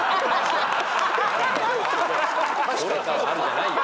どれかはあるじゃないよ。